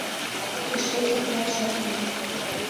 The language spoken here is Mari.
Тышечат каяш ок лий.